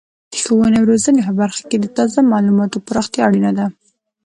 د ښوونې او روزنې په برخه کې د تازه معلوماتو پراختیا اړینه ده.